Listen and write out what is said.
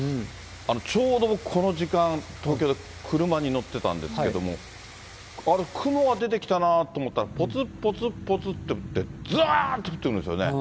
ちょうど僕、この時間、東京で車に乗ってたんですけども、あれ、雲が出てきたなと思ったら、ぽつっぽつっぽつっと降って、ざーっと降ってくるんですよね。